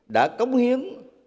đã cống hiến